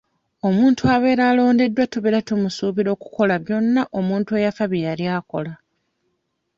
Omuntu abeera alondeddwa tubeera tumusuubira okukola byonna omuntu eyafa bye yali akola.